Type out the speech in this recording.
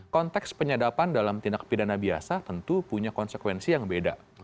konteks penyadapan dalam tindak pidana biasa tentu punya konsekuensi yang beda